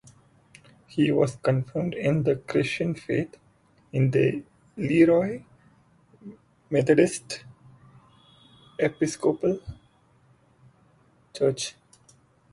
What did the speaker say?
He was confirmed in the Christian Faith in the LeRoy Methodist Episcopal Church.